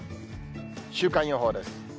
週間予報です。